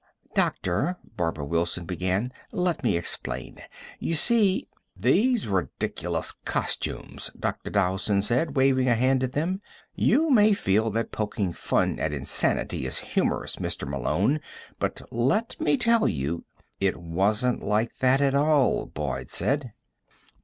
"Doctor," Barbara Wilson began, "let me explain. You see " "These ridiculous costumes," Dr. Dowson said, waving a hand at them. "You may feel that poking fun at insanity is humorous, Mr. Malone, but let me tell you " "It wasn't like that at all," Boyd said.